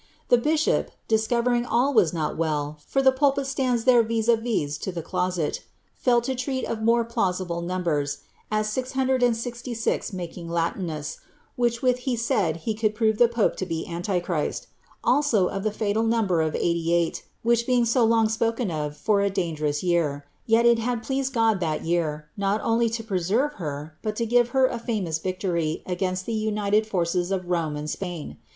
The bishop, discovering aU was not well, for the pulpit stands there v2> a vts to the closet, fell to treat of more plausible numbers, as 666 making Latinas, with which he said he could prove the pope to be Antichrist ; also of the fatal number of eighty eight, which being so long spoken of for a dangerous year, yet it had pleased God that year, not only to pre serve her, but to give her a famous victory against the united forces of Rome and Spain.